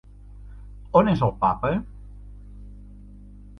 On és el Papa?